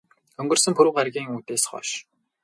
Өнгөрсөн пүрэв гаригийн үдээс хойш.